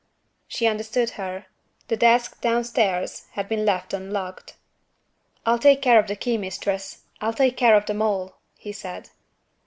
He understood her the desk downstairs had been left unlocked. "I'll take care of the key, Mistress; I'll take care of them all," he said.